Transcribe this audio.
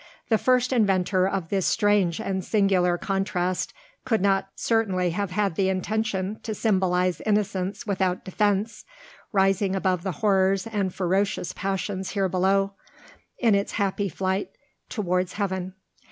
The first inventor of this strange and singular contrast could not certainly have had the intention to symbolize innocence without defense, rising above the horrors and ferocious passions here below, in its happy flight towards heaven.